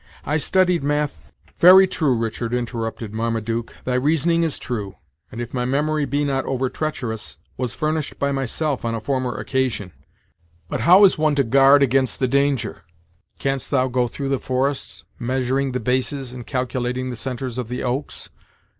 I studied math " "Very true, Richard," interrupted Marmaduke; "thy reasoning is true, and, if my memory be not over treacherous, was furnished by myself on a former occasion, But how is one to guard against the danger? Canst thou go through the forests measuring the bases and calculating the centres of the oaks?